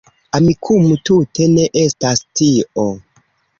Amikumu tute ne estas tio